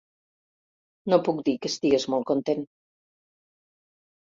No puc dir que estigués molt content.